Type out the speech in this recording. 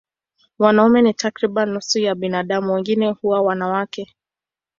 Wanaume ni takriban nusu ya binadamu, wengine huwa wanawake.